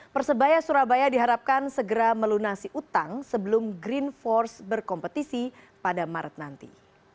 persebaya surabaya diharapkan segera melunasi utang sebelum green force berkompetisi pada maret nanti